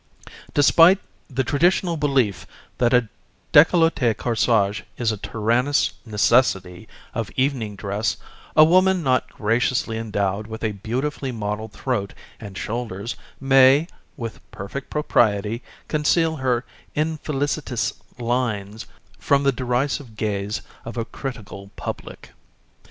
Despite the traditional belief that a d├®collet├® corsage is a tyrannous necessity of evening dress, a woman not graciously endowed with a beautifully modelled throat and shoulders may, with perfect propriety, conceal her infelicitous lines from the derisive gaze of a critical public.